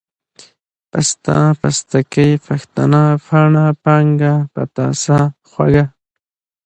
پسته ، پستکۍ ، پښتنه ، پاڼه ، پانگه ، پتاسه، خوږه،